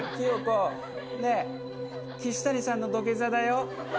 キシタニさんの土下座だよ。